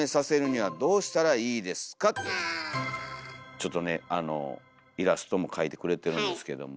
ちょっとねイラストも描いてくれてるんですけども。